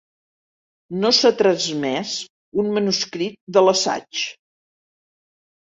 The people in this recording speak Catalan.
No s'ha transmès un manuscrit de l'assaig.